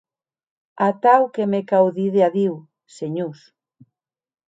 Atau que me cau díder adiu, senhors.